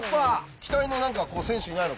期待のなんか選手いないの？